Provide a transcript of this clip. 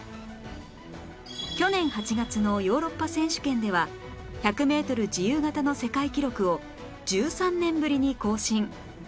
去年８月のヨーロッパ選手権では１００メートル自由形の世界記録を１３年ぶりに更新